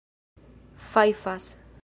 fajfas